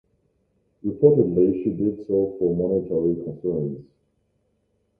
Reportedly she did so for monetary concerns.